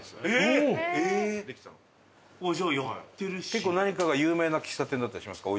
結構何かが有名な喫茶店だったりしますか？